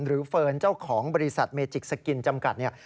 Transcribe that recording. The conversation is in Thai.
เฟิร์นเจ้าของบริษัทเมจิกสกินจำกัดเนี่ย